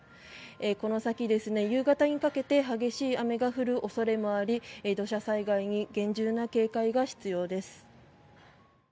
この先、夕方にかけて激しい雨が降る恐れもあり土砂災害に厳重な警戒が必要です。